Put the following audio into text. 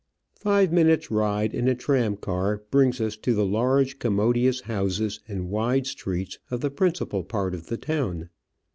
Five minutes ride in a tramcar brings us to the large commodious houses and wide streets of the principal part of the town.